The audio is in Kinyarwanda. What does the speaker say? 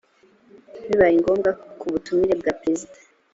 bibaye ngombwa ku butumire bwa perezida